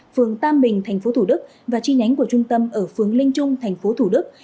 phường tam bình tp thủ đức và chi nhánh của trung tâm ở phường linh trung tp thủ đức